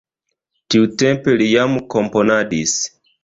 Tiutempe li jam komponadis.